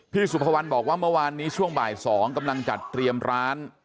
สุภวรรณบอกว่าเมื่อวานนี้ช่วงบ่าย๒กำลังจัดเตรียมร้าน